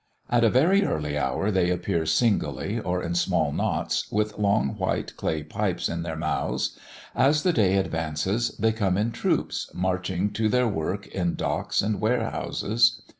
At a very early hour they appear singly or in small knots, with long, white clay pipes in their mouths; as the day advances, they come in troops, marching to their work in docks and warehouses.